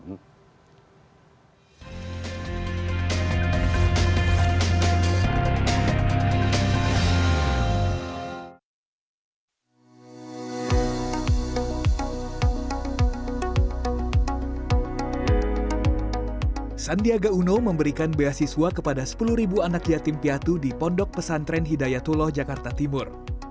sandiaga uno memberikan beasiswa kepada sepuluh anak yatim piatu di pondok pesantren hidayatullah jakarta timur